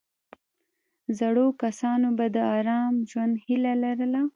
زړو کسانو به د آرام ژوند هیله لرله.